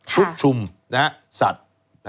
ชุกชุมสัตว์